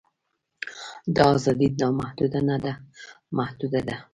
دا ازادي نامحدوده نه ده محدوده ده.